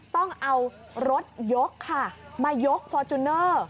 ต้องเอารถยกค่ะมายกฟอร์จูเนอร์